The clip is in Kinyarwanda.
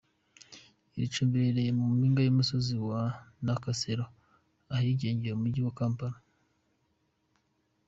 Iri cumbi riherereye ku mpinga y’ umusozi wa Nakasero ahirengeye umujyi wa Kampala.